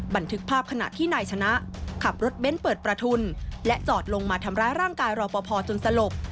บันทึกภาพขณะที่นายชนะขับรถเบ้นเปิดประทุนและจอดลงมาทำร้ายร่างกายรอปภจนสลบ